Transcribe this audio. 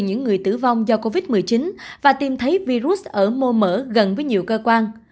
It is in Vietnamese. những người tử vong do covid một mươi chín và tìm thấy virus ở mô mở gần với nhiều cơ quan